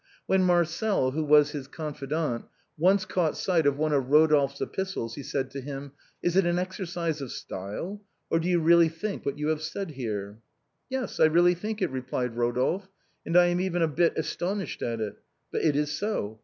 When Marcel, who was his confidant, once caught sight of one of Rodolphe's epistles, he said to him :" Is it an exercise of style, or do you really think what you have said here?" " Yes, I really think it," replied Rodolphe, " and I am even a bit astonished at it : but it is so.